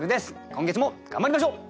今月も頑張りましょう！